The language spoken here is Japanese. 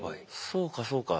そうかそうか。